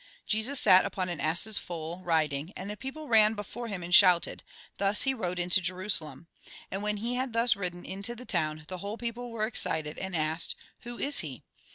Jesus sat upon an ass's foal, riding, and the people ran before him and shouted ; thus he rode into Jerusalem. And when he had thus ridden into the town, the whole people were excited, and asked :" Who is he